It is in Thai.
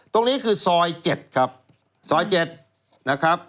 ตรงนี้คือซอย๗ครับ